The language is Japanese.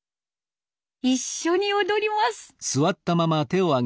一緒に踊ります。